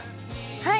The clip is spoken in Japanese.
はい！